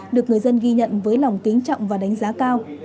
được người dân ghi nhận với lòng kính trọng và đánh giá cao